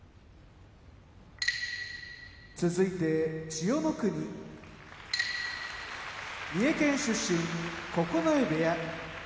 千代の国三重県出身九重部屋